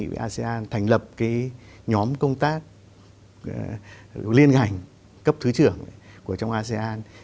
hội nghị của asean thành lập cái nhóm công tác liên hành cấp thứ trưởng của trong asean